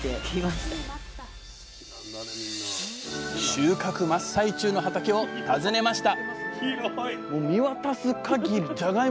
収穫真っ最中の畑を訪ねました